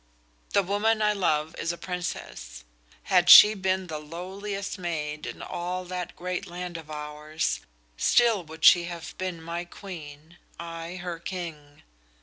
The woman I love is a Princess. Had she been the lowliest maid in all that great land of ours, still would she have been my queen, I her king.